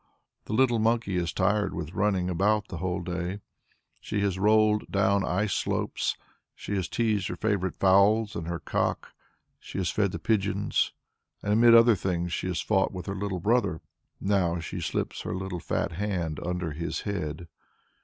The little monkey is tired with running about the whole day. She has rolled down ice slopes, she has teased her favourite fowls and her cock, she has fed the pigeons, and among other things she has fought with her little brother. Now she slips her little fat hand under her head.